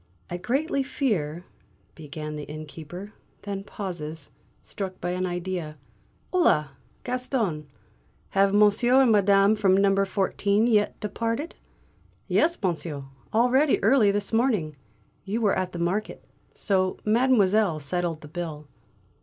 "I greatly fear " began the innkeeper, then pauses, struck by an idea. "Holà, Gaston! Have monsieur and madame from number fourteen yet departed?" "Yes, monsieur; already early this morning; you were at the market, so Mademoiselle settled the bill."